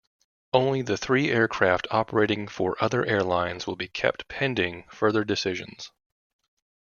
Only the three aircraft operating for other airlines will be kept pending further decisions.